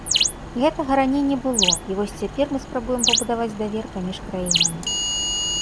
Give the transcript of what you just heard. Гэтага раней не было, і вось цяпер мы спрабуем пабудаваць давер паміж краінамі.